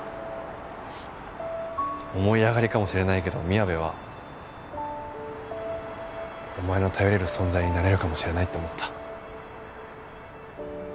思い上がりかもしれないけどみやべはお前の頼れる存在になれるかもしれないって思った。